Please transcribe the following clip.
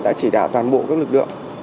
đã chỉ đạo toàn bộ các lực lượng